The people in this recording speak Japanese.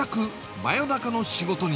真夜中の仕事人。